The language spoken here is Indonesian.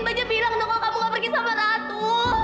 bajak bilang dong kalau kamu nggak pergi sama ratu